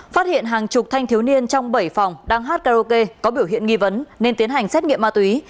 phát hiện hàng chục thanh thiếu niên trong bảy phòng đang hát karaoke có biểu hiện nghi vấn nên tiến hành xét nghiệm ma túy